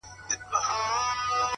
ځه پرېږده وخته نور به مي راويښ کړم ـ